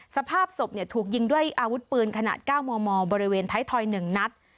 สภาพศพถูกยิงด้วยอาวุธปืนขนาด๙มมบริเวณท้ายทอย๑นัด